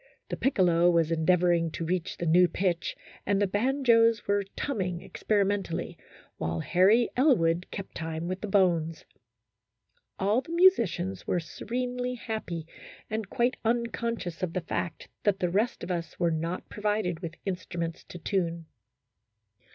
The piccolo was endeav oring to reach the new pitch, and the banjos were tumming experimentally, while Harry Elwood kept time with the bones. All the musicians were se renely happy and quite unconscious of the fact that the rest of us were not provided with instruments to tune.